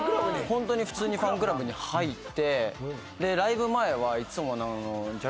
ホントに普通にファンクラブに入って。